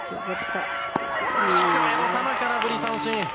低めの球、空振り三振。